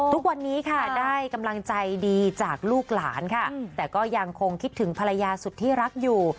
ทุกวันนี้ค่ะได้กำลังใจดีจากลูกหลานค่ะแต่ก็ยังคงคิดถึงภรรยาสุดที่รักอยู่